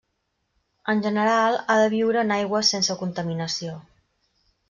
En general ha de viure en aigües sense contaminació.